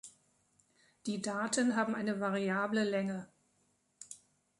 Die Daten haben eine variable Länge.